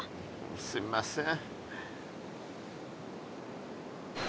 すみません。